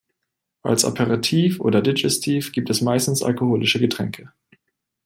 Als Aperitif oder Digestif gibt es meistens alkoholische Getränke.